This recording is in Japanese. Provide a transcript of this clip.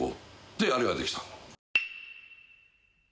であれができたの。